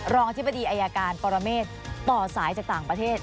อธิบดีอายการปรเมฆต่อสายจากต่างประเทศ